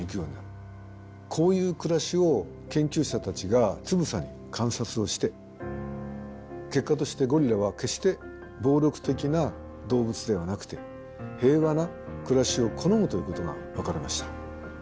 こういう暮らしを研究者たちがつぶさに観察をして結果としてゴリラは決して暴力的な動物ではなくて平和な暮らしを好むということが分かりました。